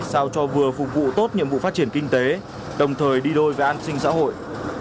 sao cho vừa phục vụ tốt nhiệm vụ phát triển kinh tế đồng thời đi đôi với an sinh xã hội